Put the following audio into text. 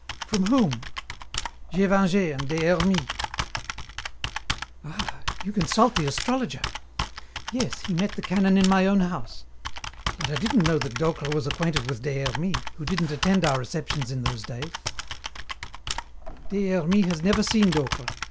"From whom?" "Gévingey and Des Hermies." "Ah, you consult the astrologer! Yes, he met the Canon in my own house, but I didn't know that Docre was acquainted with Des Hermies, who didn't attend our receptions in those days" "Des Hermies has never seen Docre.